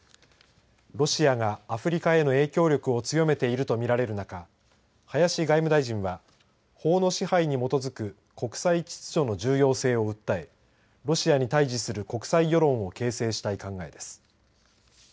ロシアがアフリカへの影響力を強めていると見られる中林外務大臣は法の支配に基づく国際秩序の重要性を訴えロシアに対じする国際世論を形成したい考えです。